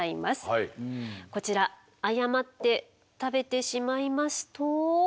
こちら誤って食べてしまいますと。